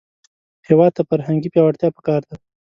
هېواد ته فرهنګي پیاوړتیا پکار ده